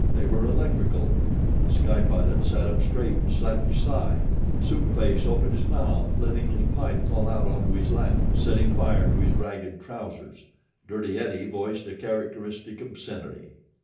They were electrical. The Sky Pilot sat up straight and slapped his thigh. Soup Face opened his mouth, letting his pipe fall out into his lap, setting fire to his ragged trousers. Dirty Eddie voiced a characteristic obscenity.